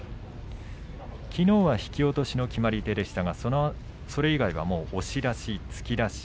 きのうは引き落としの決まり手でしたが、それ以外は押し出し、突き出し。